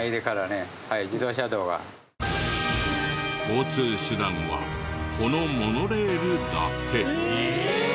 交通手段はこのモノレールだけ。